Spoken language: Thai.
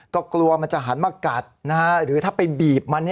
ก็กลัวมันจะหันมากัดหรือถ้าไปบีบมัน